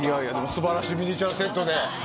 素晴らしいミニチュアセットで。